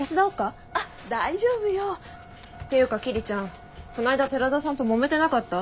あっ大丈夫よ。っていうか桐ちゃんこないだ寺田さんともめてなかった？